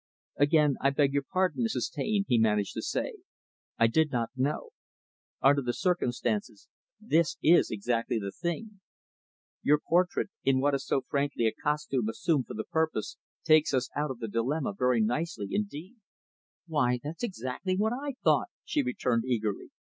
"Again, I beg your pardon, Mrs. Taine," he managed to say. "I did not know. Under the circumstances, this is exactly the thing. Your portrait, in what is so frankly a costume assumed for the purpose, takes us out of the dilemma very nicely, indeed." "Why, that's exactly what I thought," she returned eagerly.